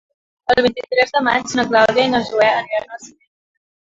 El vint-i-tres de maig na Clàudia i na Zoè aniran al cinema.